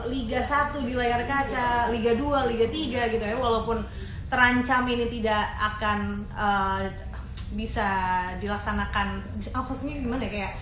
liga satu di layar kaca liga dua liga tiga gitu ya walaupun terancam ini tidak akan bisa dilaksanakan maksudnya gimana kayak